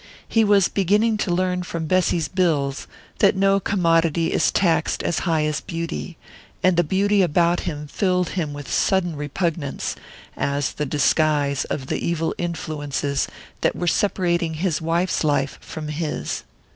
He was beginning to learn from Bessy's bills that no commodity is taxed as high as beauty, and the beauty about him filled him with sudden repugnance, as the disguise of the evil influences that were separating his wife's life from his.